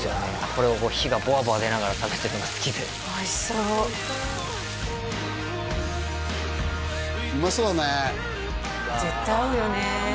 これを火がボワボワ出ながら食べていくのが好きでおいしそうおいしそううまそうだね絶対合うよね